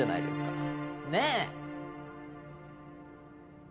ねえ？